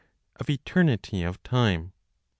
Of Eternity of Time, 45.